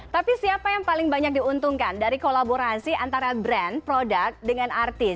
tapi siapa yang paling banyak diuntungkan dari kolaborasi antara brand product dengan artis